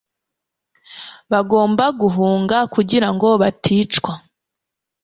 bagomba guhunga kugira ngo baticwa